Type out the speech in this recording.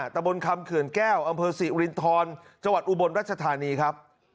ตะบนคำเขื่อนแก้วอำเภอศรีอุรินทรจังหวัดอุบลรัชธานีครับ